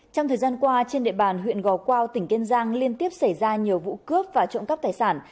trong thời gian qua trên địa bàn huyện gò quao tỉnh kiên giang liên tiếp xảy ra nhiều vụ cướp và trộm cắp tài sản